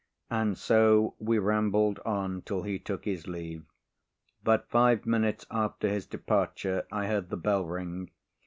And so we rambled on till he took his leave. But five minutes after his departure I heard the bell ring.